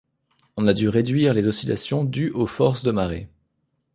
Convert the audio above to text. On a dû réduire les oscillations dues aux forces de marée.